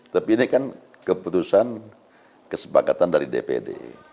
tapi ini kan keputusan kesepakatan dari dpd